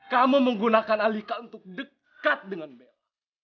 kamu menggunakan alika untuk dekat dengan bel